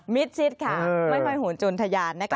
ซิดค่ะไม่ค่อยโหนจนทะยานนะคะ